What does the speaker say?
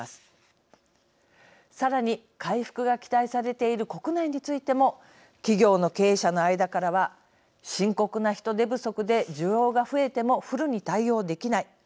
さらに回復が期待されている国内についても企業の経営者の間からは深刻な人手不足で需要が増えてもフルに対応できない。